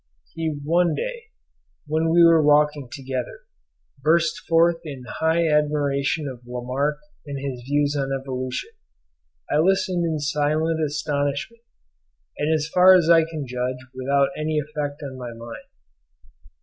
He one day, when we were walking together, burst forth in high admiration of Lamarck and his views on evolution. I listened in silent astonishment, and as far as I can judge without any effect on my mind.